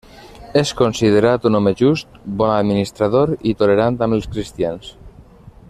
És considerat un home just, bon administrador i tolerant amb els cristians.